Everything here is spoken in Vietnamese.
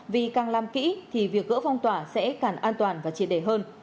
vì càng làm kỹ thì việc gỡ phong tỏa sẽ càng an toàn và triệt đề hơn